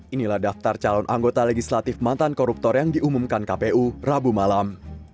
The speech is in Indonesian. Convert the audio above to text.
inilah daftar calon anggota legislatif mantan koruptor yang diumumkan kpu rabu malam